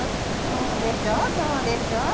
そうでしょう、そうでしょう。